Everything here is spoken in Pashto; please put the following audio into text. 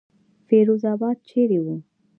فیروز آباد چېرې وو.